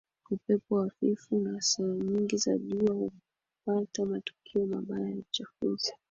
upepo hafifu na saa nyingi za jua hupata matukio mabaya ya uchafuzi